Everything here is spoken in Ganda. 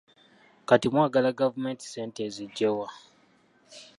Kati mwagala gavumenti ssente eziggye wa?